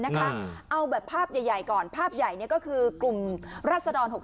เอาแบบภาพใหญ่ก่อนภาพใหญ่ก็คือกลุ่มรัศดร๖๖